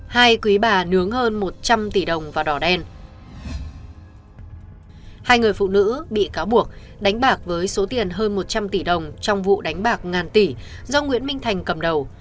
hai người phụ nữ bị cáo buộc đánh bạc với số tiền hơn một trăm linh tỷ đồng trong vụ đánh bạc ngàn tỷ do nguyễn minh thành cầm đầu